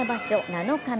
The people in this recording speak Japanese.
７日目。